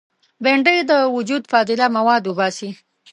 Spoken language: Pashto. بېنډۍ د وجود فاضله مواد وباسي